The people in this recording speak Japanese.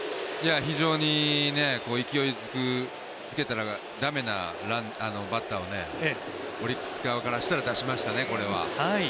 非常に勢いづけたら駄目なバッターをオリックス側からしたら出しましたね、これ。